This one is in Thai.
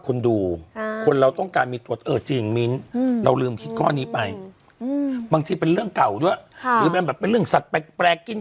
พวกภาพเก่าเล่าใหม่ส่วนใหญ่มักจะถูกขูดขึ้นมาเพื่อเอายอด